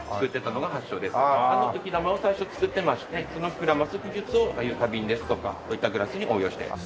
あの浮玉を最初に作ってましてその膨らます技術をああいう花瓶ですとかこういったグラスに応用しています。